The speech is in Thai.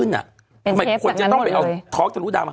เป็นเชฟสักนั้นหมดเลยทำไมคนจะต้องไปเอาท้อคจนุดามา